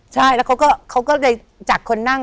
ใช่และเขาก็จะจากคนนั่ง